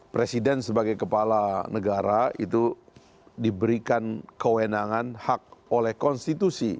presiden sebagai kepala negara itu diberikan kewenangan hak oleh konstitusi